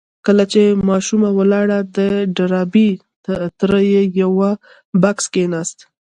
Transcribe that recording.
کله چې ماشومه ولاړه د ډاربي تره پر يوه بکس کېناست.